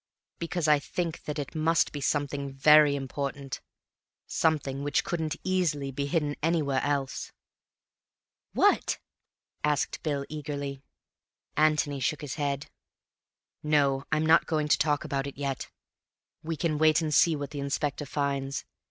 "Because I think that it must be something very important, something which couldn't easily be hidden anywhere else." "What?" asked Bill eagerly. Antony shook his head. "No, I'm not going to talk about it yet. We can wait and see what the Inspector finds.